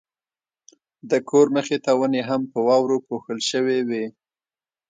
د کور مخې ته ونې هم په واورو پوښل شوې وې.